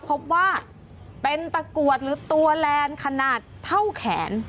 พบว่าเป็นตะกรวดหรือตัวแลนด์ขนาดเท่าแขน